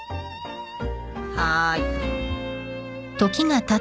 はい。